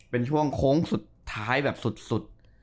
เป็นช่วงโค้งสุดท้ายแบบสุด